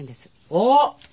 あっ！